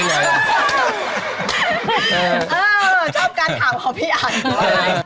ชอบการถามของพี่อัน